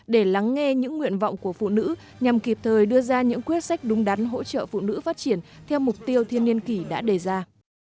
để lắng nghe những nguyện vọng của phụ nữ nhằm kịp thời đưa ra những quyết sách đúng đắn hỗ trợ phụ nữ phát triển theo mục tiêu thiên niên kỷ đã đề ra